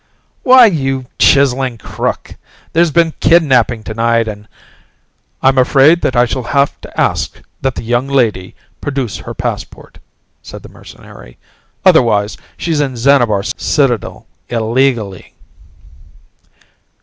"Why you chiseling crook, there's been kidnaping tonight, and " "I'm afraid that I shall have to ask that the young lady produce her passport," said the mercenary. "Otherwise she's in Xanabar Citadel illegally."